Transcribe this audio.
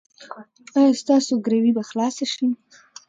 ایا ستاسو ګروي به خلاصه شي؟